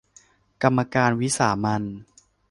กรรมการวิสามัญ